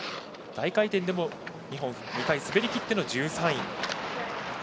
大回転でも２回滑りきっての１３位。